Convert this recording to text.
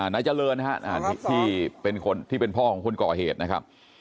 นายเจริญที่เป็นพ่อของคนก่อเหตุนะครับ